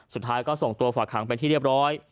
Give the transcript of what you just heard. สุดท้ายก็ส่งตัวฝากหางเป็นที่เรียบร้อย